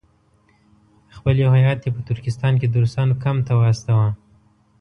خپل یو هیات یې په ترکستان کې د روسانو کمپ ته واستاوه.